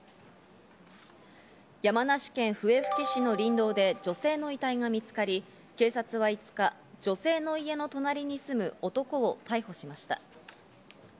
山梨県笛吹市の林道で女性の遺体が見つかり、警察は５日、女性の家の隣に住む男を逮捕しました。